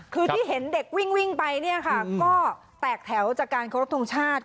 คือที่เห็นเด็กวิ่งไปเนี่ยค่ะก็แตกแถวจากการเคารพทงชาติ